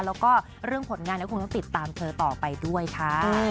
แล้วก็เรื่องผลงานก็คงต้องติดตามเธอต่อไปด้วยค่ะ